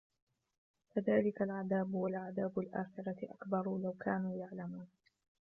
كَذَلِكَ الْعَذَابُ وَلَعَذَابُ الآخِرَةِ أَكْبَرُ لَوْ كَانُوا يَعْلَمُونَ